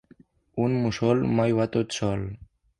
Un mussol mai va tot sol.